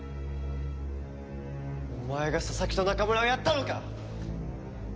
お前が佐々木と中村をやったのか！？